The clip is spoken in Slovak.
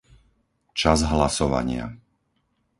Čas hlasovania